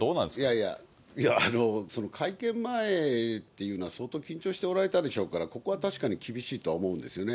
いやいや、会見前っていうのは、相当緊張しておられたでしょうから、そこは確かに厳しいとは思うんですよね。